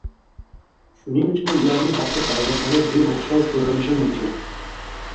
shuning uchun ularning xatti-harakatlari beo‘xshov ko‘rinishi mumkin.